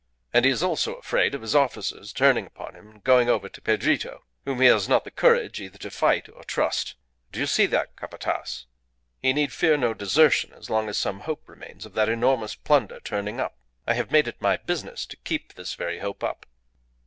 And he is also afraid of his officers turning upon him and going over to Pedrito, whom he has not the courage either to fight or trust. Do you see that, Capataz? He need fear no desertion as long as some hope remains of that enormous plunder turning up. I have made it my business to keep this very hope up."